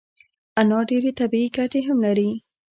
انار ډیري طبي ګټي هم لري